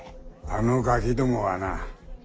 あのガキどもはな